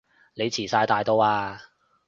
你遲哂大到啊